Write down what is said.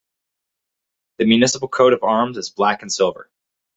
The municipal coat of arms is black and silver.